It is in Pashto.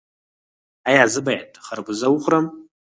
ایا زه باید خربوزه وخورم؟